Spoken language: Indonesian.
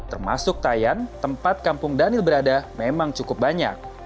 termasuk tayan tempat kampung daniel berada memang cukup banyak